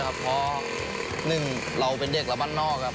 หนึ่งเราเป็นเด็กบ้านนอก